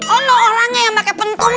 itu orangnya yang pakai pentungan